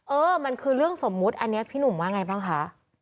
เออมันคือเรื่องสมมุติอันนี้พี่หนุ่มว่าไงบ้างคะ